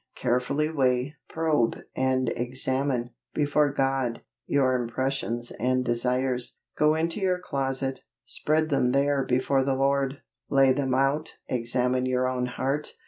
Carefully weigh, probe, and examine, before God, your impressions and desires. Go into your closet, spread them there before the Lord. Lay them out, examine your own heart.